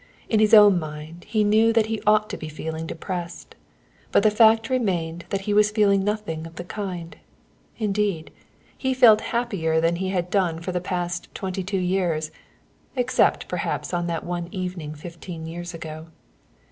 In his own mind he knew that he ought to be feeling depressed; but the fact remained that he was feeling nothing of the kind, indeed he felt happier than he had done for the past twenty two years, except perhaps on that one evening fifteen years ago.